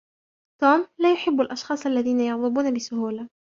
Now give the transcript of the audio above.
توم لا يحب الأشخاص الذين يغضبون بسهولة.